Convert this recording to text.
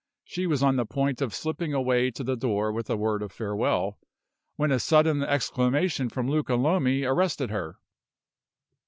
She was on the point of slipping away to the door with a word of farewell, when a sudden exclamation from Luca Lomi arrested her.